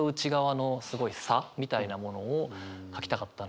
みたいなものを書きたかったので。